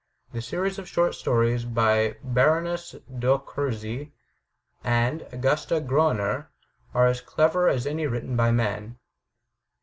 The series of short stories by Baroness d'Orczy, and Augusta Groner, are as clever as any written by men.